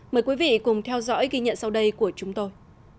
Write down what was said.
mời quý vị cùng theo dõi ghi nhận sau đây của chúng tôi